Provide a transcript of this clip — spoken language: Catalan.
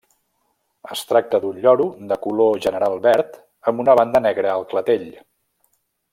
Es tracta d'un lloro de color general verd amb una banda negra al clatell.